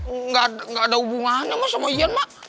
enggak ada hubungannya sama ian mak